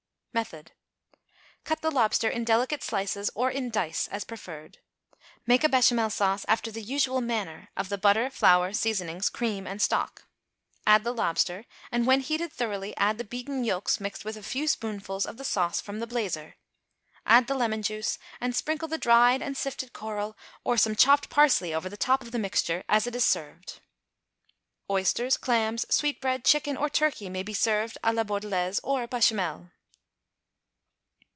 Method. Cut the lobster in delicate slices or in dice, as preferred. Make a bechamel sauce, after the usual manner, of the butter, flour, seasonings, cream and stock. Add the lobster, and, when heated thoroughly, add the beaten yolks mixed with a few spoonfuls of the sauce from the blazer. Add the lemon juice, and sprinkle the dried and sifted coral or some chopped parsley over the top of the mixture as it is served. Oysters, clams, sweetbread, chicken or turkey may be served à la Bordelaise or Bechamel.